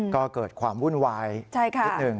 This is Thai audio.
ก็เกิดความวุ่นวายนิดหนึ่ง